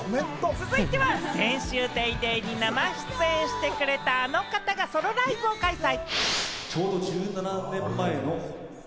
続いては、先週『ＤａｙＤａｙ．』に生出演してくれたあの方が、思い出の地でソロライブを開催。